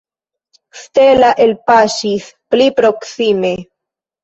Stella elpaŝis pli proksime.